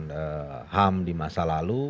pelanggaran ham di masa lalu